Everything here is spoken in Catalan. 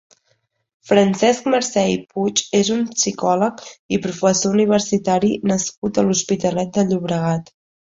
Francesc Marcé i Puig és un psicòlegs i professor universitari nascut a l'Hospitalet de Llobregat.